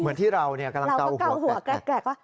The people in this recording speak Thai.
เหมือนที่เรากำลังจะเอาหัวแกรกว่า